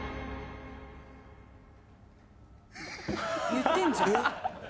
言ってんじゃん。